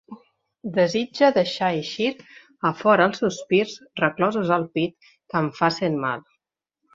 Desitge deixar eixir a fora els sospirs, reclosos al pit, que em facen mal.